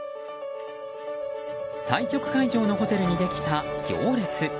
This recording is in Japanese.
対局会場のホテルにできた行列。